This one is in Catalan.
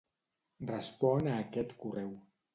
Respon a aquest correu.